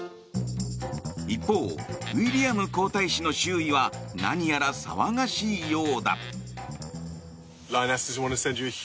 一方、ウィリアム皇太子の周囲は何やら騒がしいようだ。